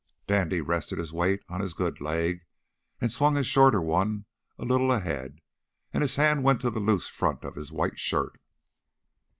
Dandy rested his weight on his good leg and swung his shorter one a little ahead. And his hand went to the loose front of his white shirt.